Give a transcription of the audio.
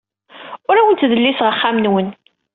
Ur awen-ttdelliseɣ axxam-nwen.